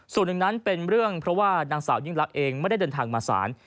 ส่วนหนึ่งนั้นเป็นเรื่องเพราะว่านางสาวยิ่งลักษณ์เองไม่ได้เดินทางมาศาล